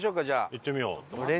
行ってみよう。